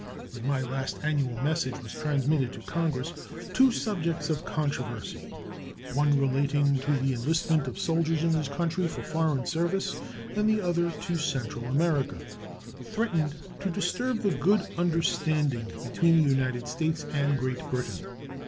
When my last annual message was transmitted to Congress two subjects of controversy, one relating to the enlistment of soldiers in this country for foreign service and the other to Central America, threatened to disturb the good understanding between the United States and Great Britain.